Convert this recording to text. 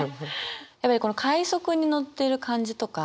やっぱりこの快速に乗ってる感じとか